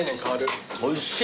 おいしい。